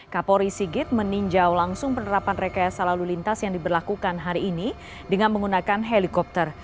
kapolri sigit meninjau langsung penerapan rekayasa lalu lintas yang diberlakukan hari ini dengan menggunakan helikopter